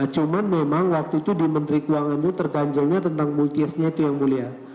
cuman memang waktu itu di menteri keuangan itu terganjelnya tentang multiesnya itu yang mulia